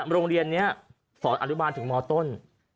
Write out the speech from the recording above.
โรงเรียนนี้สอนอนุบาลถึงมต้น